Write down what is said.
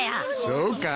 そうか？